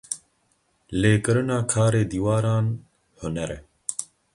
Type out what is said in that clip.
Lêkirina karê dîwaran huner e.